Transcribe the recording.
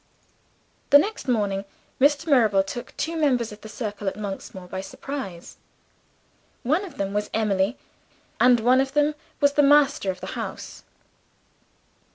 The next morning, Mr. Mirabel took two members of the circle at Monksmoor by surprise. One of them was Emily; and one of them was the master of the house.